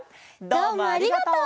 どうもありがとう！